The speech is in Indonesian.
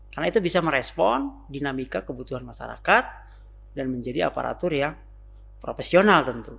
karena itu bisa merespon dinamika kebutuhan masyarakat dan menjadi aparatur yang profesional tentu